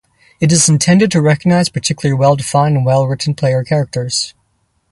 It is intended to recognize particularly well-defined and well-written player characters.